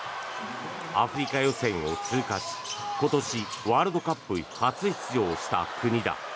アフリカ予選を通過し今年、ワールドカップ初出場した国だ。